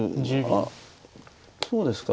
あっそうですか。